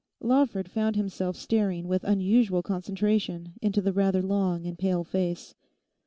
Lawford found himself staring with unusual concentration into the rather long and pale face.